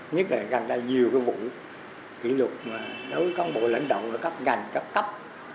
nhất là gần đây nhiều cái vụ kỷ luật mà đối với cán bộ lãnh đạo ở các ngành các cấp